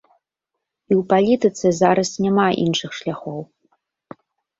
І ў палітыцы зараз няма іншых шляхоў.